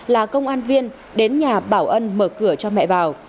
là công an viên đến nhà bảo ân mở cửa cho mẹ vào